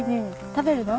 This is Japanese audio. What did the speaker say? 食べるの？